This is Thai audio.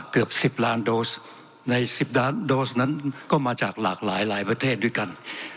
เกือบ๑๐ล้านโดสใน๑๐ล้านโดสนั้นก็มาจากหลากหลายประเทศด้วยกัน